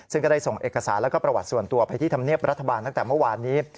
ซึ่งก็ได้ส่งเอกสารและประวัติส่วนตัวไปที่ธรรมเนียบรัฐบาลตั้งแต่เมื่อวานนี้